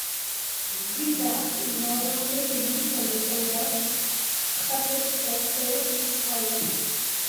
Plus tard, il va orienter ses goûts sur les Fender Stratocaster et Squier.